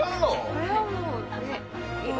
これはもうね色と。